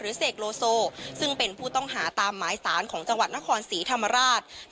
เสกโลโซซึ่งเป็นผู้ต้องหาตามหมายสารของจังหวัดนครศรีธรรมราช